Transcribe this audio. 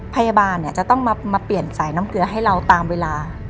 พยาบาลจะต้องมาเปลี่ยนสายน้ำเกลือให้เราตามเวลา